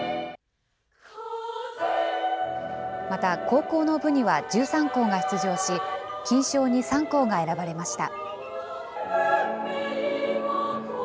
また高校の部には１３校が出場し、金賞に３校が選ばれました。